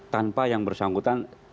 tanpa yang bersangkutan